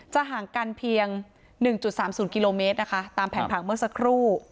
จะห่างกันเพียงหนึ่งจุดสามศูนย์กิโลเมตรนะคะตามแผนผังเมื่อสักครู่